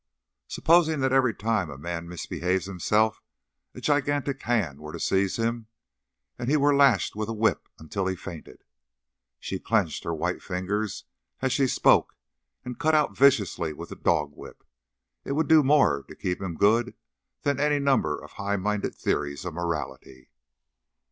"Supposing that every time a man misbehaved himself a gigantic hand were to seize him, and he were lashed with a whip until he fainted" she clenched her white fingers as she spoke, and cut out viciously with the dog whip "it would do more to keep him good than any number of high minded theories of morality."